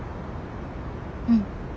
うん。